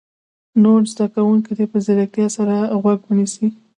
نور زده کوونکي دې په ځیرتیا سره غوږ ونیسي.